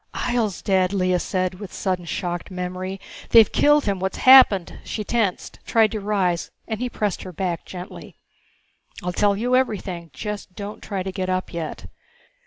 "Ihjel's dead!" Lea said with sudden shocked memory. "They've killed him! What's happened?" she tensed, tried to rise, and he pressed her back gently. "I'll tell you everything. Just don't try to get up yet.